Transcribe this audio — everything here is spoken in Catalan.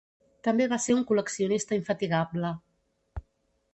També va ser un col·leccionista infatigable.